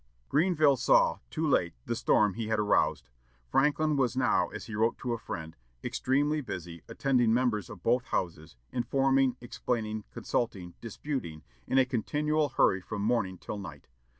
Grenville saw, too late, the storm he had aroused. Franklin was now, as he wrote to a friend, "extremely busy, attending members of both houses, informing, explaining, consulting, disputing, in a continual hurry from morning till night."